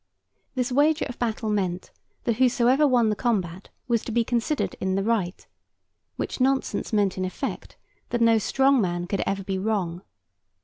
This wager of battle meant that whosoever won the combat was to be considered in the right; which nonsense meant in effect, that no strong man could ever be wrong.